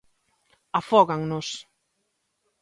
Afógannos.